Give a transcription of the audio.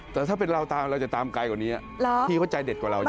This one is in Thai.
แต่ถ้าเป็นเราตามเราจะตามไกลกว่านี้พี่เขาใจเด็ดกว่าเรา